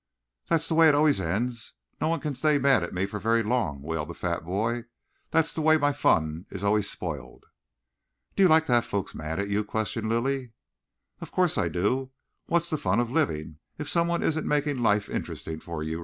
"That's the way it always ends. No one can stay mad at me for very long," wailed the fat boy. "That's the way my fun is always spoiled." "Do you like to have folks mad at you?" questioned Lilly. "Of course I do. What's the fun of living if somebody isn't making life interesting for you?"